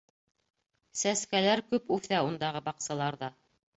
Сәскәләр күп үҫә ундағы баҡсаларҙа.